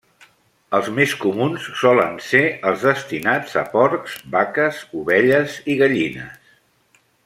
Els més comuns solen ser els destinats a porcs, vaques, ovelles i gallines.